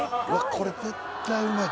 これ絶対うまい